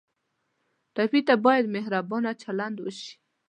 ټپي ته باید مهربانه چلند وشي.